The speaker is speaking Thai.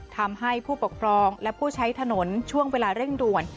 ทำให้ผู้ปกครองและผู้ใช้ถนนช่วงเวลาเร่งด่วน